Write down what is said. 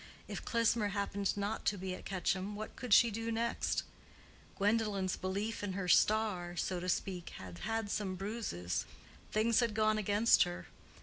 If Klesmer happened not to be at Quetcham, what could she do next? Gwendolen's belief in her star, so to speak, had had some bruises. Things had gone against her.